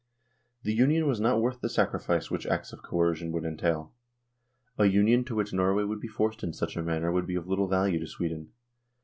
The Union was not worth the sacrifice which acts of coercion would THE DISSOLUTION OF THE UNION 127 entail. A Union to which Norway would be forced in such a manner would be of little value to Sweden.